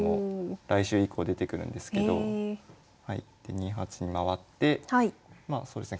２八に回ってまあそうですね